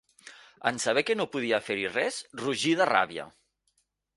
En saber que no podia fer-hi res, rugí de ràbia.